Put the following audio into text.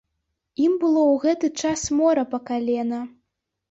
Ім было ў гэты час мора па калена.